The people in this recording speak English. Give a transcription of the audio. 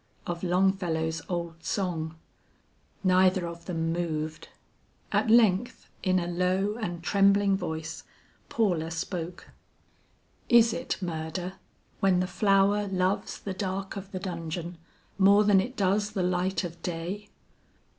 of Longfellow's old song. Neither of them moved. At length, in a low and trembling voice, Paula spoke: "Is it murder, when the flower loves the dark of the dungeon more than it does the light of day?"